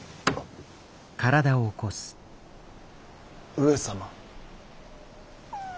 上様？